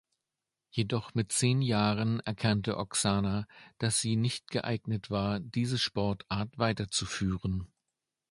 Jedoch mit zehn Jahren erkannte Oksana, dass sie nicht geeignet war, diese Sportart weiterzuführen.